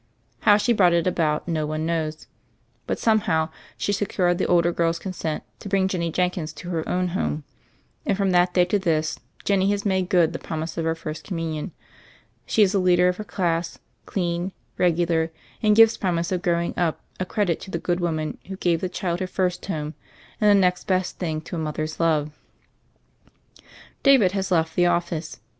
How she brought it about, no one knows; but somehow she secured the older girl's consent to bring Jenny Jen kins to her own home; and from that day to this Jenny has made good the promise of her First Communion. She is the leader of her class, clean, regular; and gives promise of grow ing up a credit to the good woman who gave the child her first home and the next best thing to a mother's love. David has left the office.